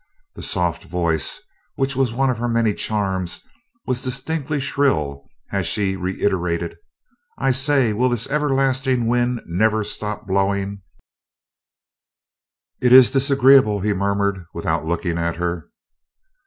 The soft voice, which was one of her many charms, was distinctly shrill as she reiterated: "I say, will this everlasting wind never stop blowing?" "It is disagreeable," he murmured, without looking at her.